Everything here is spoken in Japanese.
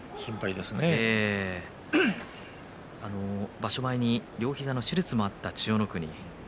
場所前に両膝の手術もあった千代の国。